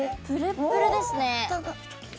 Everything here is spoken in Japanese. プルプルですね。